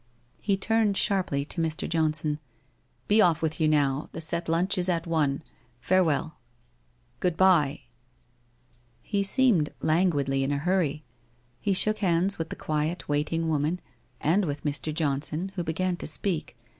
' He turned sharply to Mr. Johnson. ' Be off with you now, the set lunch is at one. Fare well. ... Good bye !' He seemed languidly in a hurry. He shook hands with the quiet, waiting, woman, and with Mr. Johnson, who began to speak.